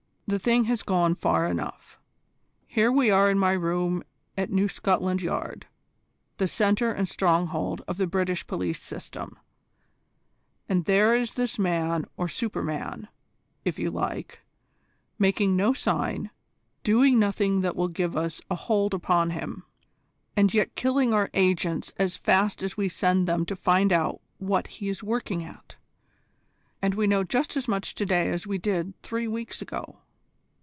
The thing has gone far enough. Here we are in my room at New Scotland Yard, the centre and stronghold of the British police system, and there is this man or super man, if you like, making no sign, doing nothing that will give us a hold upon him, and yet killing our agents as fast as we send them to find out what he is working at, and we know just as much to day as we did three weeks ago.